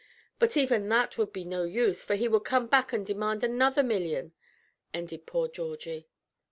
But even that would be no use, for he would come back and demand another million," ended poor Georgie.